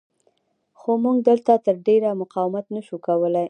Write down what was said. خو موږ دلته تر ډېره مقاومت نه شو کولی.